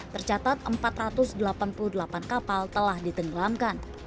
tercatat empat ratus delapan puluh delapan kapal telah ditenggelamkan